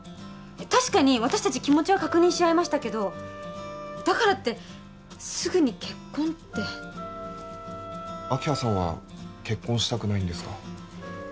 確かに私達気持ちは確認し合いましたけどだからってすぐに結婚って明葉さんは結婚したくないんですか？